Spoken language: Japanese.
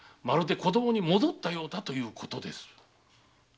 まるで子供に戻ったようだということです。